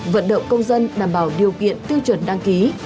vận động công dân đảm bảo điều kiện tiêu chuẩn đăng ký